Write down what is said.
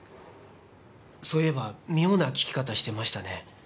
そういえば妙な聞き方してましたね。